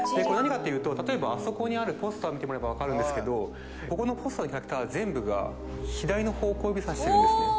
例えばあそこにあるポスター見てもらえば分かるんですけどここのポスターのキャラクター全部が左の方向を指さしてるんですね